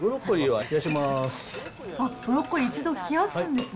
あっ、ブロッコリー、一度冷やすんですね。